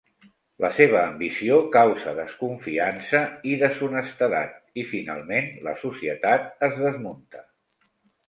La seva ambició causa desconfiança i deshonestedat i, finalment, la societat es desmunta.